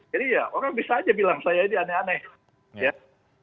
jadi ya orang bisa aja bilang saya ini aneh aneh